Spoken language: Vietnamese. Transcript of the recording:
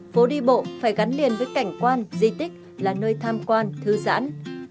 phố đi bộ phải gắn liền với cảnh quan di tích là nơi tham quan thư giãn